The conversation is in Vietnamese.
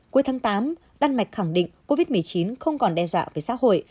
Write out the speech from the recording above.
cuối tháng tám đan mạch khẳng định covid một mươi chín không còn đe dọa với xã hội